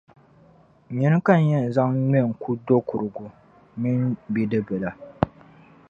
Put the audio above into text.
Nyini ka n yɛn zaŋ ŋme n-ku do’ kurugu mini bidibbila.